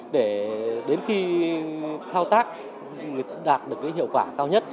để đến khi thao tác đạt được hiệu quả cao nhất